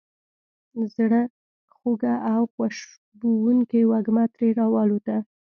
زړه خوږه او خوشبوونکې وږمه ترې را والوته.